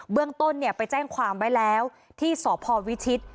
เบื้องต้นเนี่ยไปแจ้งความไว้แล้วที่สอบพอวิทธิศ